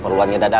berapa biasa ya